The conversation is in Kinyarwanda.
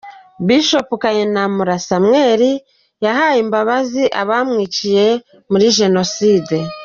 Bishop Kayinamura Samuel yahaye imbabazi abamwiciye muri Jenoside.